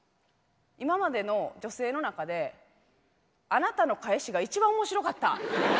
今までの女性の中であなたの返しが一番面白かった。